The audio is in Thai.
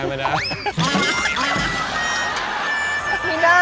ไม่ได้ไม่ได้